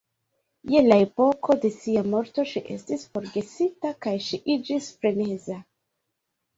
Je la epoko de sia morto ŝi estis forgesita kaj ŝi iĝis freneza.